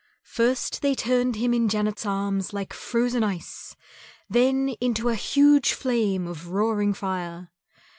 First they turned him in Janet's arms like frozen ice, then into a huge flame of roaring fire.